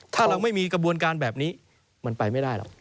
ถ้าเราไม่มีกระบวนการแบบนี้มันไปไม่ได้หรอก